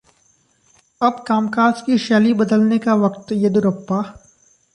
अब कामकाज की शैली बदलने का वक्त: येदियुरप्पा